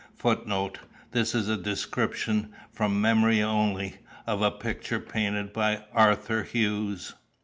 [Footnote: This is a description, from memory only, of a picture painted by Arthur Hughes.